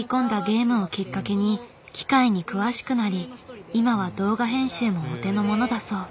ゲームをきっかけに機械に詳しくなり今は動画編集もお手の物だそう。